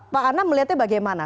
pak ana melihatnya bagaimana